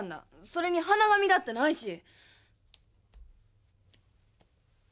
それに鼻紙だってないし。